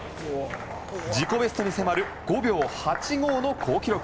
自己ベストに迫る５秒８５の好記録。